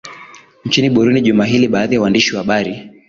nchini burundi juma hili baadhi ya waandishi wa habari